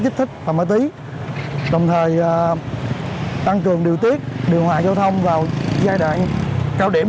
dứt thích và mỡ tí đồng thời tăng cường điều tiết điều hòa giao thông vào giai đoạn cao điểm